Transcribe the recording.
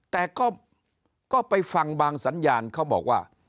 แต่ก็ไปฟังบางสัญญาณเขาบอกว่า